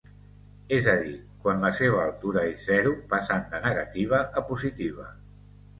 És a dir, quan la seva altura és zero passant de negativa a positiva.